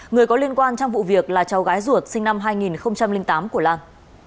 người có liên quan trong vụ việc là cháu gái ruột sinh năm hai nghìn tám của lan